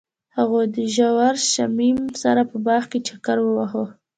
هغوی د ژور شمیم سره په باغ کې چکر وواهه.